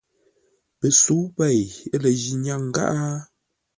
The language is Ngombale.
Pəsə̌u pêi lə ji nyáŋ gháʼá?